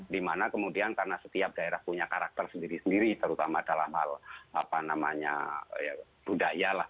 dimana kemudian karena setiap daerah punya karakter sendiri sendiri terutama dalam hal apa namanya budaya lah